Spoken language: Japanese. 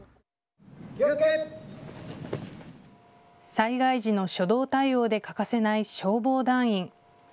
災害時の初動対応で欠かせない消防団員。